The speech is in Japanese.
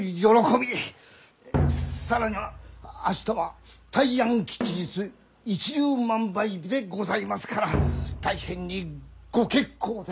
更には明日は大安吉日一粒万倍日でございますから大変にご結構で！